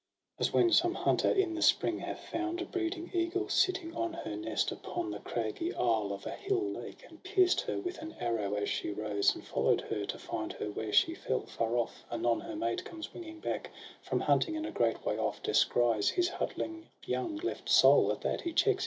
As when some hunter in the spring hath found A breeding eagle sitting on her nest, Upon the craggy isle of a hill lake. And pierced her with an arrow as she rose, And follow'd her to find her where she fell Far off; — anon her mate comes winging back From hunting, and a great way off descries His huddling young left sole; at that, he checks io8 SOHRAB AND RUSTUM.